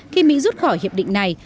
khi mỹ rút khỏi hiệp định này